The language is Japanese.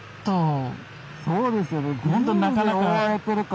そうですよね。